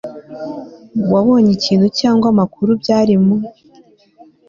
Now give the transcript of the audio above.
wabonye ikintu cyangwa amakuru byari mu